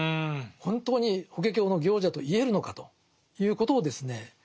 本当に「法華経の行者」と言えるのかということをですね